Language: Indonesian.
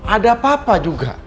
ada papa juga